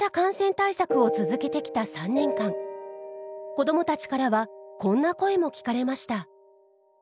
子どもたちからはこんな声も聞かれました。